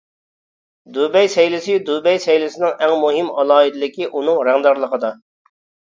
دۇبەي سەيلىسى دۇبەي سەيلىسىنىڭ ئەڭ مۇھىم ئالاھىدىلىكى ئۇنىڭ رەڭدارلىقىدا.